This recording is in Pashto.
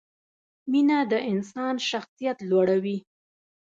مینه د انسان شخصیت لوړوي.